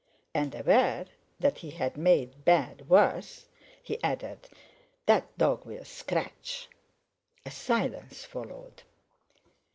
And, aware that he had made bad worse, he added: "That dog will scratch." A silence followed.